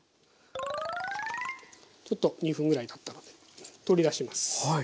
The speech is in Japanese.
ちょっと２分ぐらいたったので取り出します。